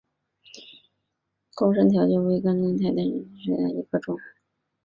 高山条蕨为条蕨科条蕨属下的一个种。